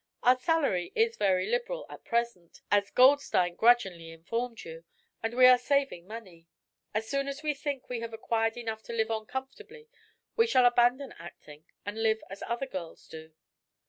Our salary is very liberal at present, as Goldstein grudgingly informed you, and we are saving money. As soon as we think we have acquired enough to live on comfortably we shall abandon acting and live as other girls do."